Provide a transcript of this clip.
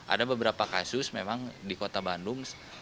ada beberapa kasus memang di kota bandung